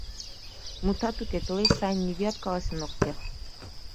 Мутат уке, тылеч сайын нигӧ каласен ок керт.